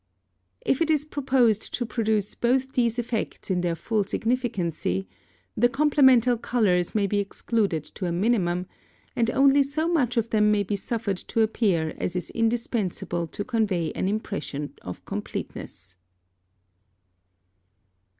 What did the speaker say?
If it is proposed to produce both these effects in their full significancy, the complemental colours may be excluded to a minimum, and only so much of them may be suffered to appear as is indispensable to convey an impression of completeness.